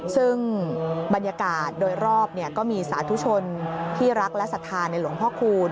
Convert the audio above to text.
ซึ่งบรรยากาศโดยรอบก็มีสาธุชนที่รักและศรัทธาในหลวงพ่อคูณ